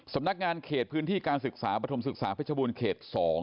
สำนักงานเขตพื้นที่การศึกษาปภิษภาพิษบวลเขต๒